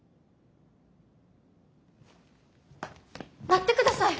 待ってください！